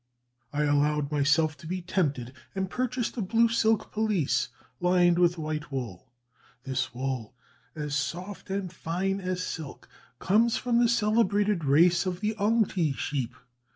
I allowed myself to be tempted, and purchased a blue silk pelisse, lined with white wool; this wool, as soft and fine as silk, comes from the celebrated race of the Ong ti sheep.